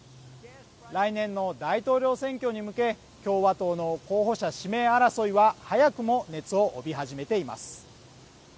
来年の大統領選挙に向け共和党の候補者指名争いは早くも熱を帯び始めています